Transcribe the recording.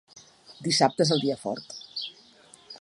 Dissabte és el dia fort.